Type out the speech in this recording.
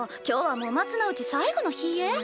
今日はもう松の内最後の日え？